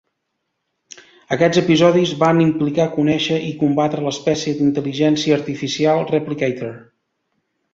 Aquests episodis van implicar conèixer i combatre l'espècie d'intel·ligència artificial Replicator.